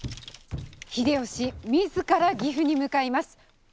秀吉自ら岐阜に向かいます！